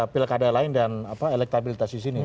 pilkada lain dan elektabilitas disini